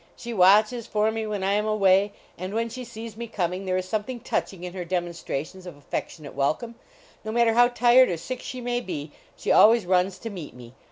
She watches for me when I am away, and when she sees me coming there is something touching in her demonstrations of affectionate welcome. No matter how tired or sick she may be, she always runs to meet me.